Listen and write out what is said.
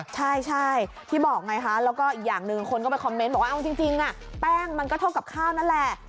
ใช่ที่บอกไงคะแล้วก็อีกอย่างหนึ่งคนก็ไปคอมเมนต์บอกว่าเอาจริงแป้งมันก็เท่ากับข้าวนั่นแหละ